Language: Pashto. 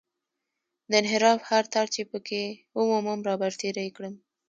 د انحراف هر تار چې په کې ومومم رابرسېره یې کړم.